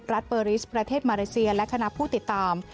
เปอร์ริสประเทศมาเลเซียและคณะผู้ติดตาม